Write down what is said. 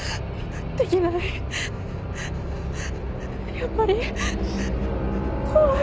やっぱり怖い！